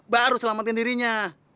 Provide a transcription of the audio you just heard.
harus selamatin dirinya